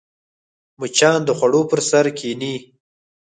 مچان د خوړو پر سر کښېني